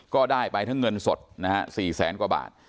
ก็ได้ไปทั้งเงินสด๔๐๐ซ์กว่าบาท